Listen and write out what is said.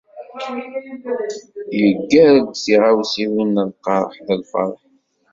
Yeggar-d tiɣawsiwen n lqerḥ d lferḥ.